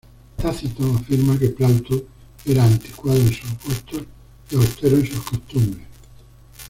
Tácito afirma que Plauto era anticuado en sus gustos y austero en sus costumbres.